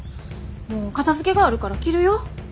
もう片づけがあるから切るよ。